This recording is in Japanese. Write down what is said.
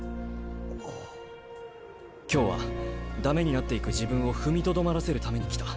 今日は駄目になっていく自分を踏みとどまらせるために来た。